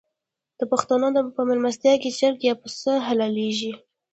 د پښتنو په میلمستیا کې چرګ یا پسه حلاليږي.